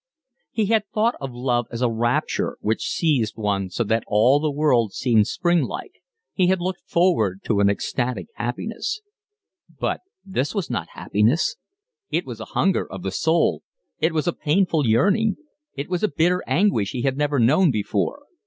He had thought of love as a rapture which seized one so that all the world seemed spring like, he had looked forward to an ecstatic happiness; but this was not happiness; it was a hunger of the soul, it was a painful yearning, it was a bitter anguish, he had never known before.